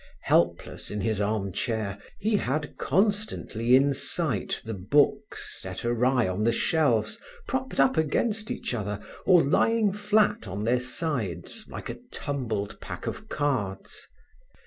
Helpless in his armchair, he had constantly in sight the books set awry on the shelves propped against each other or lying flat on their sides, like a tumbled pack of cards.